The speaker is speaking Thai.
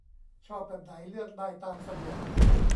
ชอบแบบไหนเลือกได้ตามสะดวก